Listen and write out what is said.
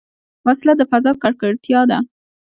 وسله د فضا ککړتیا ده